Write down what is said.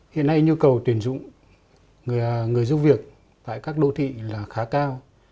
hiện nay nhu cầu tuyển dụng người giúp việc tại các đô thị là khá cao